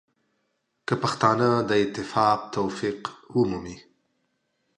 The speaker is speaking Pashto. که پښتانه د اتفاق توفیق ومومي.